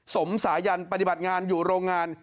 สมสายันปฏิบัติงานอยู่โรงงาน